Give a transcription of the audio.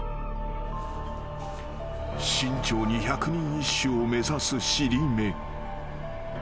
［慎重に百人一首を目指す尻目］